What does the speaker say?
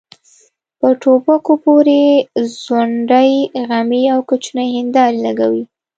په ټوپکو پورې ځونډۍ غمي او کوچنۍ هيندارې لګوي.